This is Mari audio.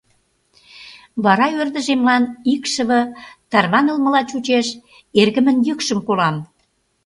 Вара ӧрдыжемлан икшыве тарванылмыла чучеш, эргымын йӱкшым колам.